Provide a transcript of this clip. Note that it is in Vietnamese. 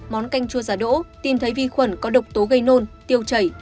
món canh chua giả đỗ tìm thấy vi khuẩn có độc tố gây nôn tiêu chảy